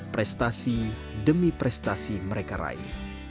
prestasi demi prestasi mereka raih